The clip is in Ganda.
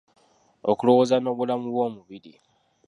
Okulowooza n'obulamu bw'omubiri.